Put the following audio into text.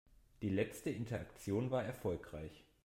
Die letzte Interaktion war erfolgreich.